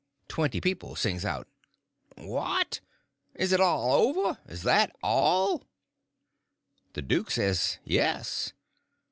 Twenty people sings out: "What, is it over? Is that all?" The duke says yes.